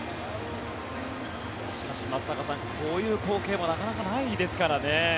しかし、松坂さんこういう光景もなかなかないですからね。